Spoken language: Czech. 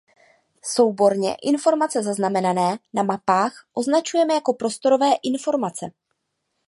Souborně informace zaznamenané na mapách označujeme jako „prostorové informace“.